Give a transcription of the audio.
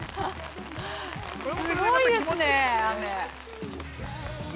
すごいですね、雨。